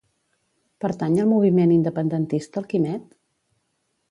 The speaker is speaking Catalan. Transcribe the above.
Pertany al moviment independentista el Quimet?